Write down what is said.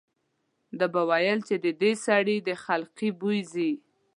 ده به ویل چې د دې سړي د خلقي بوی ځي.